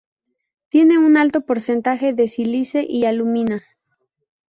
Tiene un alto porcentaje de sílice y alúmina.